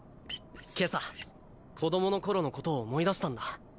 今朝子どもの頃のことを思い出したんだ。